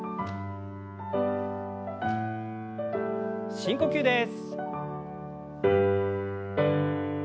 深呼吸です。